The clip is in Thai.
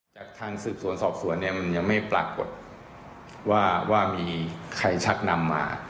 จากทางสืบสวนสอบสวนยังไม่ปรากฏว่ามีใครชักนำมา